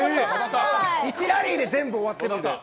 １ラリーで全部終わった。